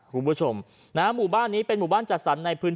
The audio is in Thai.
คุณผู้ชมนะครับหมู่บ้านนี้เป็นหมู่บ้านจัดสัน